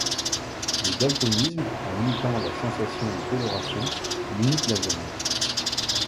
Le daltonisme, en limitant la sensation de coloration, limite la gêne.